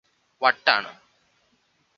വട്ടാണ്